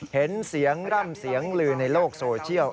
เห็นเสียงร่ำเสียงลือในโลกโซเชียล